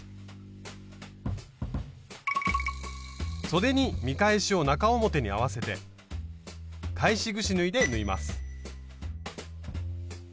そでに見返しを中表に合わせて返しぐし縫いで縫います。